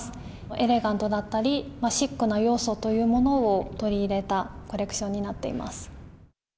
エレガントだったり、シックな要素というものを取り入れたコレクションになっています。